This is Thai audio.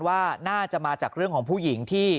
ว่าน่าจะมาจากเรื่องของผู้หญิงที่